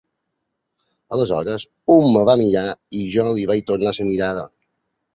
Aleshores un em va mirar i jo li vaig tornar la mirada.